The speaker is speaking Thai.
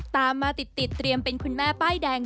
ตามมาติดเตรียมเป็นคุณแม่ป้ายแดง